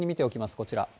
こちら。